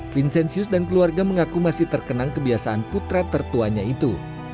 vincenzius dan keluarga mengaku masih terkenang kebiasaan putra tertuanya itu